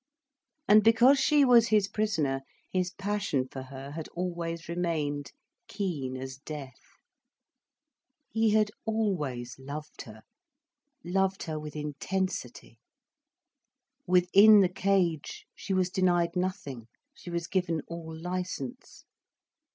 And because she was his prisoner, his passion for her had always remained keen as death. He had always loved her, loved her with intensity. Within the cage, she was denied nothing, she was given all licence.